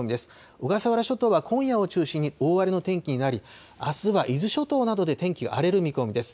小笠原諸島は今夜を中心に大荒れの天気になり、あすは伊豆諸島などで天気が荒れる見込みです。